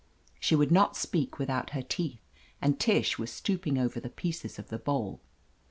She would not speak //ithout her teeth, and Tish was stooping over the pieces of the bowl.